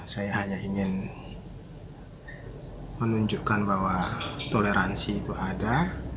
saya hanya ingin menunjukkan bahwa toleransi itu ada